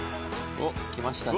おっきましたね。